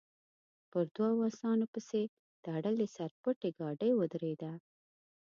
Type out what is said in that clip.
پر دوو اسانو پسې تړلې سر پټې ګاډۍ ودرېده.